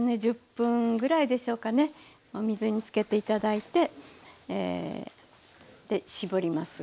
１０分ぐらいでしょうかねお水につけて頂いて絞ります。